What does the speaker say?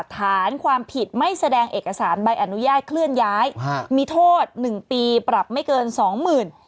ฐานความผิดไม่แสดงเอกสารใบอนุญาตเคลื่อนย้ายมีโทษ๑ปีปรับไม่เกินสองหมื่น